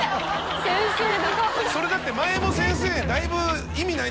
それだって先生。